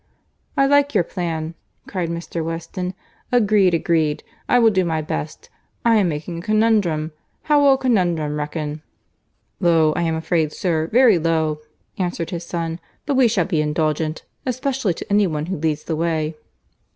"I like your plan," cried Mr. Weston. "Agreed, agreed. I will do my best. I am making a conundrum. How will a conundrum reckon?" "Low, I am afraid, sir, very low," answered his son;—"but we shall be indulgent—especially to any one who leads the way."